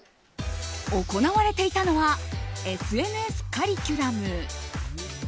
行われていたのはＳＮＳカリキュラム。